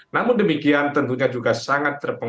namun demikian tentunya juga sangat terpengaruh